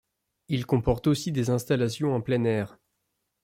Il comporte aussi des installations en plein air.